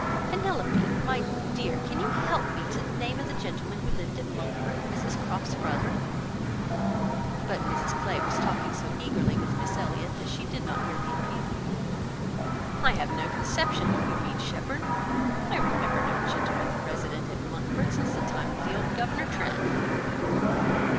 Penelope, my dear, can you help me to the name of the gentleman who lived at Monkford: Mrs Croft's brother?" But Mrs Clay was talking so eagerly with Miss Elliot, that she did not hear the appeal. "I have no conception whom you can mean, Shepherd; I remember no gentleman resident at Monkford since the time of old Governor Trent."